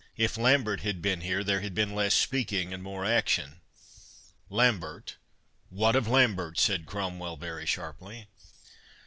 If Lambert had been here, there had been less speaking and more action." "Lambert! What of Lambert?" said Cromwell, very sharply.